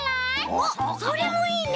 おっそれもいいね。